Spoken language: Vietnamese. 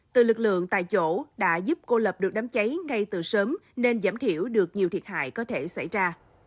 từ lực lượng tại chỗ đã giúp cô lập được đám cháy ngay từ sớm nên giảm thiểu được nhiều thiệt hại có thể xảy ra